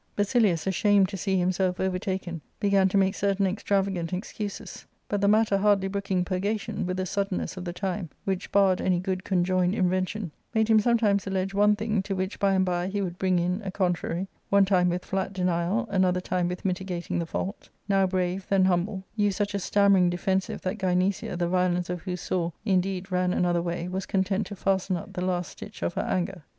Basilius, ashamed to see himself overtaken, began to make certain extravagant excuses ; but the matter hardly brooking purgation, with the suddenness of the time, which barred any good conjoined invention, made him sometimes allege one thing, to which by and by he would bring in a contrary, one time with flat denial, another time with mitigating the fault ; now brave, then humble, use such a stammering defensive that Gynecia, the violence of whose sore, indeed, ran another way, was content to fasten up the last stitch of her anger.